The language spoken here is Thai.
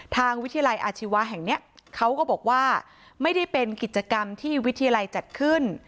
ทางวิทยาลัยอาชีวะแห่งเนี้ยเขาก็บอกว่าไม่ได้เป็นกิจกรรมที่วิทยาลัยจัดขึ้น